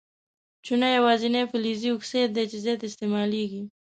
چونه یوازیني فلزي اکساید دی چې زیات استعمالیږي.